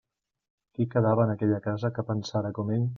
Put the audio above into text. Qui quedava en aquella casa que pensara com ell?